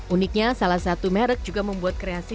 uniknya salah satu merek juga membuat kreasi